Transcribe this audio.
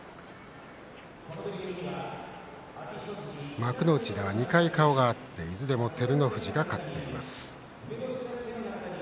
幕内では２回顔が合っていずれも照ノ富士が勝っています。